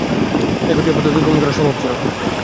একত্রে এ পথ অতিক্রম করা সম্ভব ছিল না।